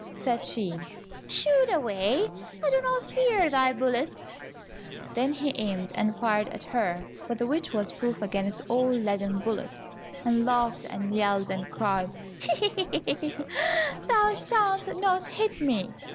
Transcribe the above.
Said she, "Shoot away, I do not fear thy bullets!" Then he aimed, and fired at her, but the witch was proof against all leaden bullets, and laughed, and yelled and cried, "Thou shalt not hit me."